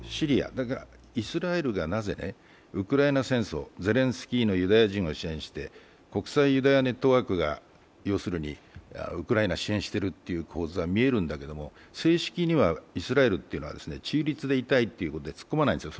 だからイスラエルがなぜウクライナ戦争、ゼレンスキーのユダヤ人を支援して国際ユダヤネットワークがウクライナを支援している図が見えるんだけれども正式にはイスラエルというのは中立でいたいということで突っ込まないんですよ。